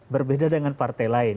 berbeda dengan partai lain